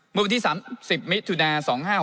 เมื่อวันที่๓๐มิถุนา๒๕๖๖